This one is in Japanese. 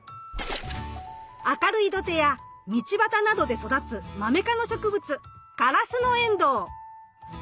明るい土手や道ばたなどで育つマメ科の植物カラスノエンドウ。